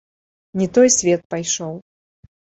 Не той свет пайшоў.